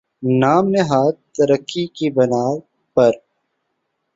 نام نہاد ترقی کی بنا پر